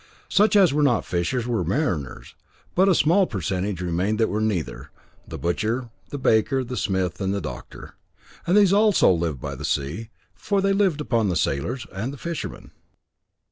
Such as were not fishers were mariners, and but a small percentage remained that were neither the butcher, the baker, the smith, and the doctor; and these also lived by the sea, for they lived upon the sailors and fishermen.